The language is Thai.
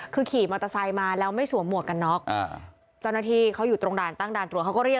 ใช่เพราะว่ามันไม่คุ้นเคย